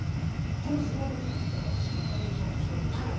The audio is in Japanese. この凄ワザキング、実は私がナレーションしておりまして。